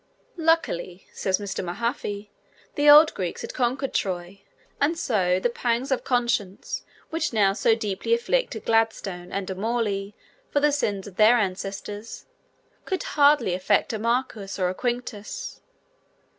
Luckily, says Mr. Mahaffy, the old Greeks had conquered Troy, and so the pangs of conscience which now so deeply afflict a Gladstone and a Morley for the sins of their ancestors could hardly affect a Marcius or a Quinctius!